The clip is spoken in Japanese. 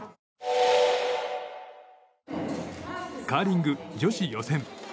カーリング女子予選。